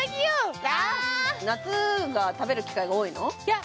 夏が食べる機会が多いの？